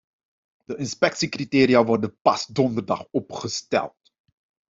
De inspectiecriteria worden pas donderdag opgesteld.